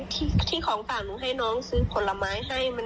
ที่ของฝากหนูให้น้องซื้อผลไม้ให้